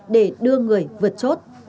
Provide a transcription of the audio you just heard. để đưa người vượt chốt